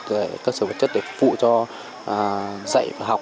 chúng tôi đã dạy các sở vật chất để phụ cho dạy và học